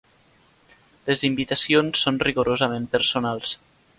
Les invitacions són rigorosament personals.